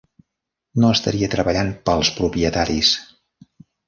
No estaria treballant "pels propietaris".